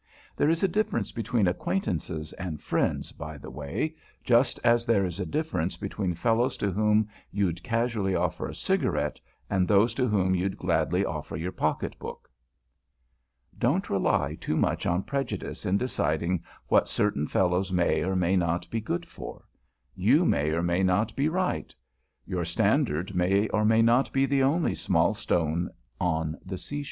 There is a difference between acquaintances and friends, by the way, just as there is a difference between fellows to whom you'd casually offer a cigarette and those to whom you'd gladly offer your pocket book. [Sidenote: USELESS PREJUDICE] Don't rely too much on prejudice in deciding what certain fellows may or may not be good for. You may or may not be right. Your standard may or may not be the only small stone on the seashore.